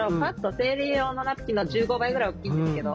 生理用のナプキンの１５倍ぐらい大きいんですけど。